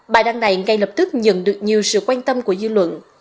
bài đăng này ngay lập tức nhận được nhiều sự quan tâm của dư luận